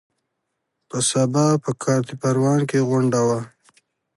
په سبا په کارته پروان کې غونډه وه.